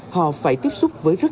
họ phải tiếp xúc với rắc rối